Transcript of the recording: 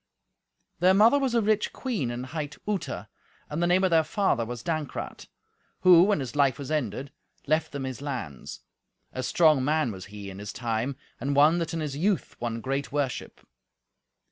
Their mother was a rich queen and hight Uta, and the name of their father was Dankrat, who, when his life was ended, left them his lands. A strong man was he in his time, and one that in his youth won great worship.